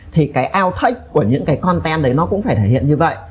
thì cái outtakes của những cái content đấy nó cũng phải thể hiện như vậy